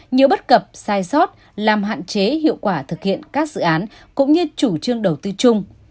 nhiều bất cập sai sót làm hạn chế hiệu quả thực hiện các dự án cũng như chủ trương đầu tư chung